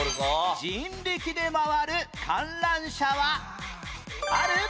人力でまわる観覧車はある？